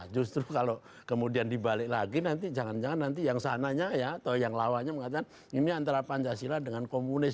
justru kalau kemudian dibalik lagi nanti jangan jangan nanti yang sananya ya atau yang lawannya mengatakan ini antara pancasila dengan komunis